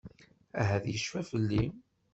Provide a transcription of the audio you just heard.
Ahat yecfa fell-i.